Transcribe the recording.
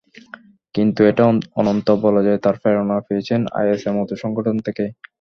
কিন্তু এটা অন্তত বলা যায়, তাঁরা প্রেরণা পেয়েছেন আইএসের মতো সংগঠন থেকেই।